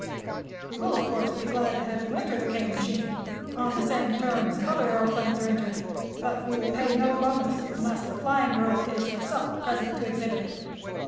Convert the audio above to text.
"We will, of course, be glad to have you enter the Kane machine, on the same terms other aëroplanes are entered; but we will pay no bonus unless 'The Flying Girl' is herself present to exhibit it.